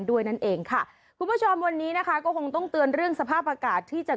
ด้วยนั่นเองค่ะคุณผู้ชมวันนี้นะคะก็คงต้องเตือนเรื่องสภาพอากาศที่จะ